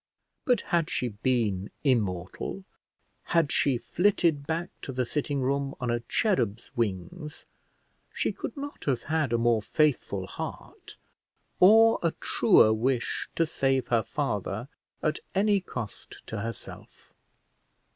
But had she been immortal, had she flitted back to the sitting room on a cherub's wings, she could not have had a more faithful heart, or a truer wish to save her father at any cost to herself.